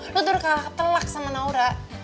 lo udah kalah ketelak sama naura